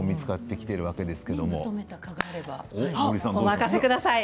お任せください。